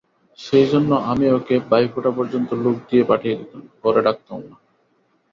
সেইজন্যে আমি ওকে ভাইফোঁটা পর্যন্ত লোক দিয়ে পাঠিয়ে দিতুম, ঘরে ডাকতুম না।